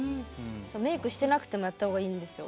メークしてなくてもやったほうがいいんですよ